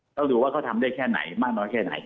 ต้องดูว่าเขาทำได้แค่ไหนมากน้อยแค่ไหน